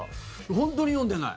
本当に読んでない。